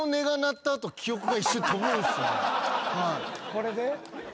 これで？